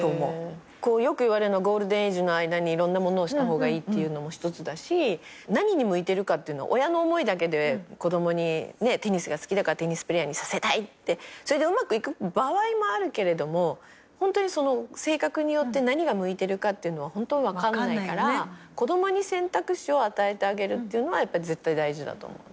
よく言われるのはゴールデンエイジの間にいろんなものをした方がいいっていうのも一つだし何に向いてるかっていうの親の思いだけで子供にねテニスが好きだからテニスプレーヤーにさせたいってそれでうまくいく場合もあるけれどもホントにその性格によって何が向いてるかっていうのはホント分かんないから子供に選択肢を与えてあげるっていうのはやっぱ絶対大事だと思う。